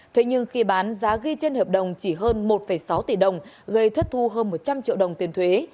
thế nhưng khi bán giá ghi trên hợp đồng chỉ hơn một sáu tỷ đồng gây thất thu hơn một trăm linh triệu đồng tiền thuế